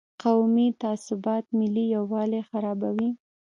قومي تعصبات ملي یووالي خرابوي.